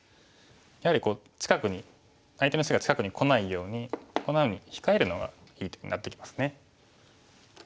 やはり近くに相手の石が近くにこないようにこんなふうに控えるのがいい手になってきますね。